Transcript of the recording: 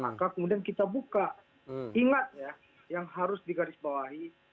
maka kemudian kita buka ingat ya yang harus digarisbawahi